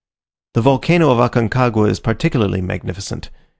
The volcano of Aconcagua is particularly magnificent.